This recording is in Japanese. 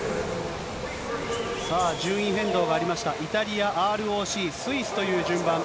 順位変動がありました、イタリア、ＲＯＣ、スイスという順番。